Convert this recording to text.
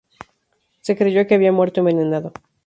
Se creyó que había muerto envenenado.